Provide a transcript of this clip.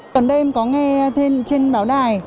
tuần đêm có nghe trên báo đài